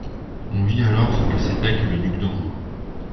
On vit alors ce que c'était que le duc d'Anjou.